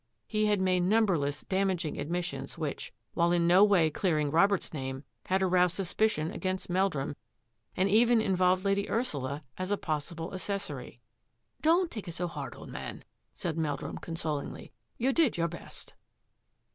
He had made numberless damaging ad missions which, while in no way clearing Robert's name, had aroused suspicion against Meldrum, and even involved Lady Ursula as a possible ac cessory. " Don't take it so hard, old man," said Meldrum consolingly ;" you did your best."